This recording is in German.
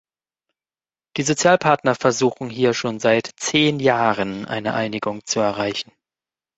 Die Sozialpartner versuchen hier schon seit zehn Jahren, eine Einigung zu erreichen.